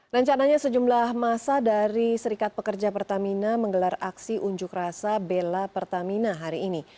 rencananya sejumlah masa dari serikat pekerja pertamina menggelar aksi unjuk rasa bela pertamina hari ini